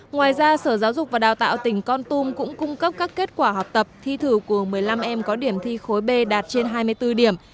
ngoài ra sở giáo dục và đào tạo tỉnh con tum cũng cung cấp các kết quả học tập thi thử của một mươi năm em có điểm thi khối b đạt trên hai mươi bốn điểm